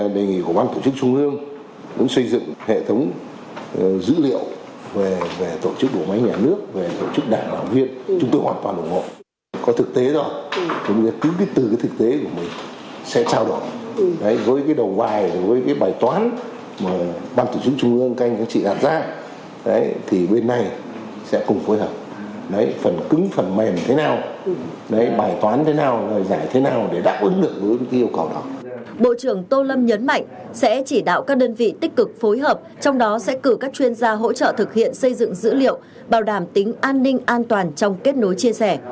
bộ trưởng tô lâm nhấn mạnh bộ trưởng tô lâm sẽ chỉ đạo các đơn vị tích cực phối hợp trong đó sẽ cử các chuyên gia hỗ trợ thực hiện xây dựng dữ liệu bảo đảm tính an ninh an toàn trong kết nối chia sẻ